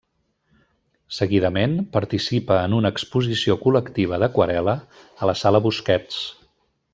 Seguidament, participa en una exposició col·lectiva d'aquarel·la a la Sala Busquets.